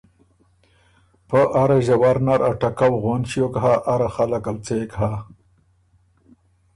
پۀ اره ݫوَر نر ا ټکؤ غون ݭیوک هۀ اره خلقه ل څېک هۀ۔